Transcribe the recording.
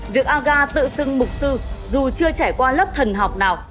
việc aga tự xưng mục sư dù chưa trải qua lớp thần học nào